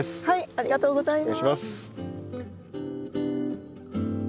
ありがとうございます。